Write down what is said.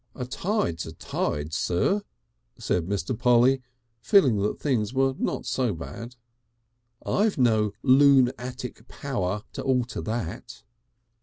"A Tide's a Tide, Sir," said Mr. Polly, feeling that things were not so bad. "I've no lune attic power to alter that."